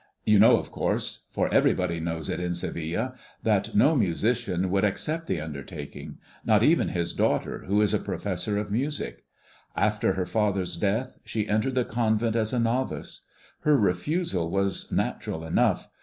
You know, of course, for everybody knows it in Seville, that no musician would accept the undertaking. Not even his daughter, who is a professor of music. After her father's death she entered the convent as a novice. Her refusal was natural enough.